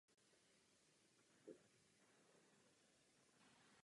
Firma Junkers se proto rozhodla udělat z něj výškový průzkumný letoun.